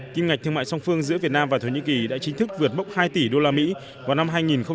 kim ngạch thương mại song phương giữa việt nam và thổ nhĩ kỳ đã chính thức vượt mốc hai tỷ đô la mỹ vào năm hai nghìn một mươi bảy